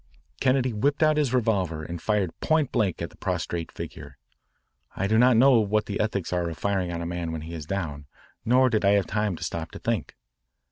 Kennedy whipped out his revolver and fired point blank at the prostrate figure. I do not know what the ethics are of firing on a man when he is down, nor did I have time to stop to think.